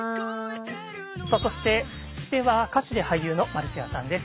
そして聞き手は歌手で俳優のマルシアさんです。